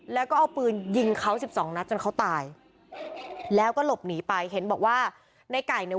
แล้วก็เอาปืนยิงเขาสิบสองนัดจนเขาตายแล้วก็หลบหนีไปเห็นบอกว่าในไก่เนี่ย